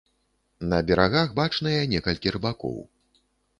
На берагах бачныя некалькі рыбакоў.